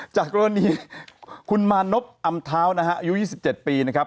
จากโลคนี้คุณมานบอำเท้ายุที่สิบเจ็ดปีนะครับ